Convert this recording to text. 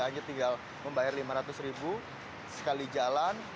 hanya tinggal membayar lima ratus ribu sekali jalan